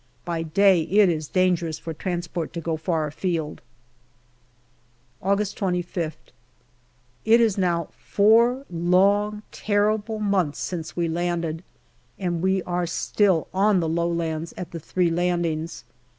By day it is dangerous for transport to go far afield. August 25th. It is now four long, terrible months since we landed, and we are still on the low lands at the three landings.